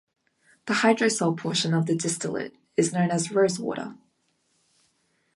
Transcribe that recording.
The hydrosol portion of the distillate is known as "rosewater".